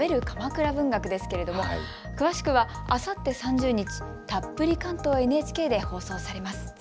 鎌倉文学ですけれども詳しくはあさって３０日、たっぷり関東ＮＨＫで放送されます。